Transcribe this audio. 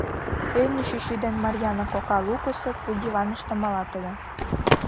Эйно чӱчӱ ден Марйаана кока лукысо пу диваныште малат ыле.